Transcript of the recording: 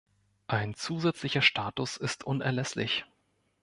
Ein zusätzlicher Status ist unerlässlich.